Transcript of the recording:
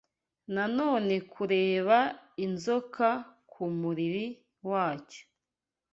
Noneho kureba Inzoka kumuriri wacyo